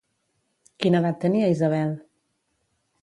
Quina edat tenia Isabel?